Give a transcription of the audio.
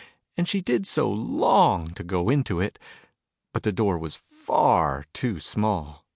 And she did so long to go into it ! But the door was far too small.